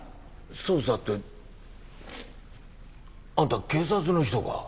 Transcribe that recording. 捜査ってあんた警察の人か？